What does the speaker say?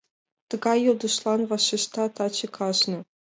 Тыгай йодышлан вашешта таче кажне: